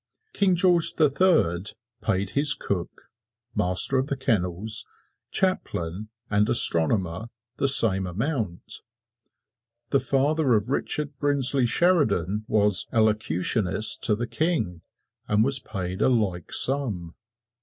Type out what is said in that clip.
King George the Third paid his Cook, Master of the Kennels, Chaplain and Astronomer the same amount. The father of Richard Brinsley Sheridan was "Elocutionist to the King," and was paid a like sum.